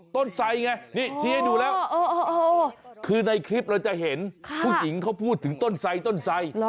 ไสไงนี่ชี้ให้ดูแล้วคือในคลิปเราจะเห็นผู้หญิงเขาพูดถึงต้นไสต้นไส